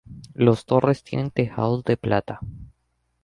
Los torres tienen tejados de plata.